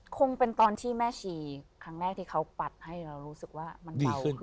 คงเป็นตอนที่แม่ชีครั้งแรกที่เขาปัดให้เรารู้สึกว่ามันเบาขึ้น